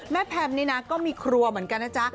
แม่แพมนี่ก็มีครัวเหมือนกันค่ะ